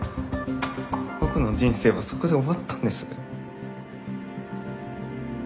僕の人生はそこで終わったんです。